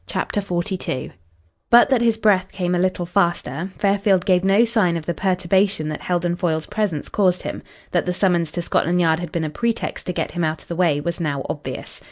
CHAPTER XLII But that his breath came a little faster, Fairfield gave no sign of the perturbation that Heldon Foyle's presence caused him. That the summons to Scotland Yard had been a pretext to get him out of the way was now obvious.